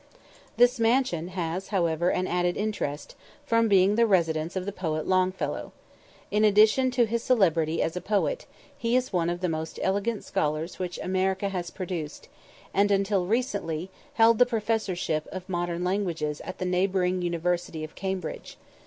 This mansion has, however, an added interest, from being the residence of the poet Longfellow. In addition to his celebrity as a poet, he is one of the most elegant scholars which America has produced, and, until recently, held the professorship of modern languages at the neighbouring university of Cambridge.